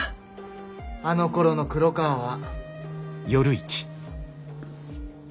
あのころの黒川は。